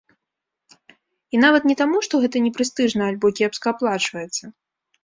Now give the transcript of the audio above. І нават не таму, што гэта не прэстыжна альбо кепска аплачваецца.